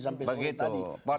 sampai saat tadi